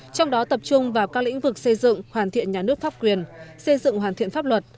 trong đó tập trung vào các lĩnh vực xây dựng hoàn thiện nhà nước pháp quyền xây dựng hoàn thiện pháp luật